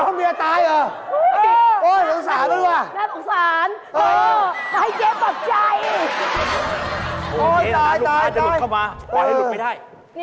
โฮยเดี๋ยวลูกภาพนักให้หลุดเข้ามาลองให้หลุดไปได้